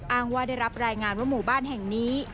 อ้างว่าได้รับรายงานว่าหมู่บ้านแห่งนี้